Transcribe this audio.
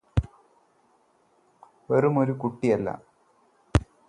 വെറുമൊരു കുട്ടിയല്ല